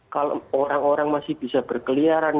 kalau orang orang masih bisa berkeliaran